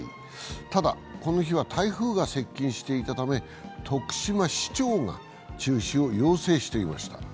ただ、このは台風が接近していたため徳島市長が中止を要請していました。